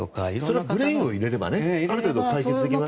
それはブレーンを入れればある程度解決できますから。